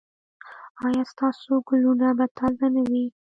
ایا ستاسو ګلونه به تازه نه وي؟